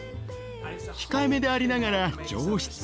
控えめでありながら上質。